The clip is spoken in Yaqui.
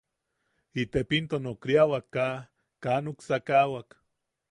Itepinto nokriawak kaa... kaa nuksakawak.